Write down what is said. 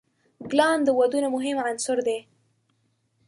ګلان د ودونو مهم عنصر دی.